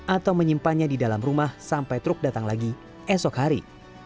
atau menyimpannya di dalam rumah sampai truk datang lagi esok hari